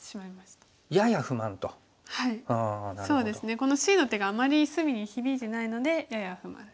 このＣの手があまり隅に響いてないのでやや不満です。